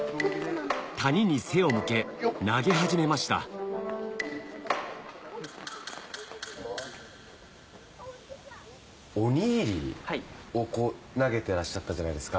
谷に背を向け投げ始めましたおにぎりをこう投げてらっしゃったじゃないですか。